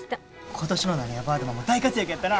今年のなにわバードマンも大活躍やったな。